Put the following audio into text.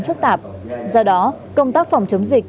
phức tạp do đó công tác phòng chống dịch